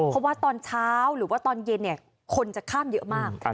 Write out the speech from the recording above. เพราะว่าตอนเช้าหรือว่าตอนเย็นคนจะข้ามเยอะมาก